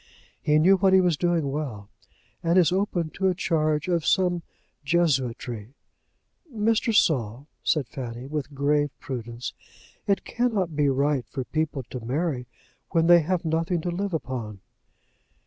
He knew what he was doing well, and is open to a charge of some jesuitry. "Mr. Saul," said Fanny, with grave prudence, "it cannot be right for people to marry when they have nothing to live upon."